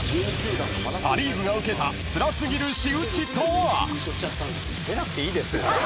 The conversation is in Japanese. ［パ・リーグが受けたつら過ぎる仕打ちとは？］